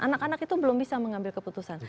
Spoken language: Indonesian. anak anak itu belum bisa mengambil keputusan